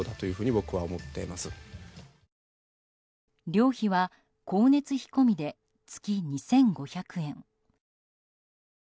寮費は光熱費込みで月２５００円。